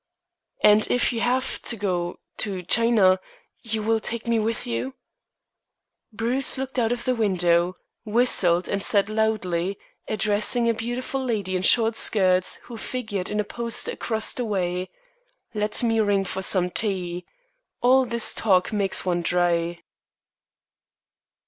"And if you have to go to China you w will take me with you?" Bruce looked out of the window, whistled, and said loudly, addressing a beautiful lady in short skirts who figured in a poster across the way: "Let me ring for some tea. All this talk makes one dry."